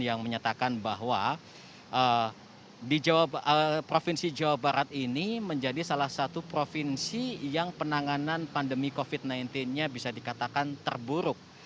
yang menyatakan bahwa di provinsi jawa barat ini menjadi salah satu provinsi yang penanganan pandemi covid sembilan belas nya bisa dikatakan terburuk